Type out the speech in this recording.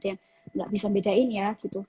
nggak bisa bedain ya